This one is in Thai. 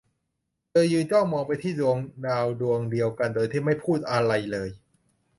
เธอยืนจ้องมองไปที่ดวงดาวดวงเดียวกันโดยที่ไม่พูดอะไรเลย